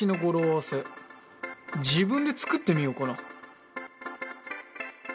合わせ自分で作ってみようかな